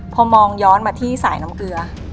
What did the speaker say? พอมองย้อนมาที่สายน้ำเกลือ